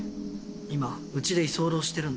今うちで居候してるんだ。